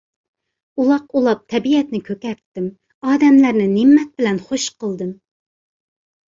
ئۇلاق ئۇلاپ تەبىئەتنى كۆكەرتتىم. ئادەملەرنى نىمەت بىلەن خۇش قىلدىم.